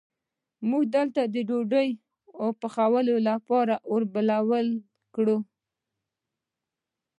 موږ هلته د ډوډۍ پخولو لپاره اور بل کړ.